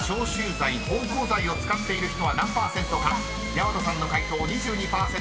［やまとさんの解答２２％。